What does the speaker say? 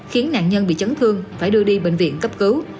khiến nạn nhân bị chấn thương phải đưa đi bệnh viện cấp cứu